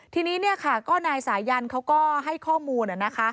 ทีนี้ก็นายสายันเขาก็ให้ข้อมูล